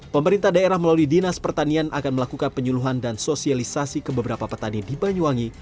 pemerintah daerah melalui dinas pertanian akan melakukan penyuluhan dan sosialisasi ke beberapa petani di banyuwangi